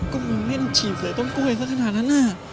ก็มึงเล่นฉีกเสือต้นกล้วยสักขนาดนั้นน่ะ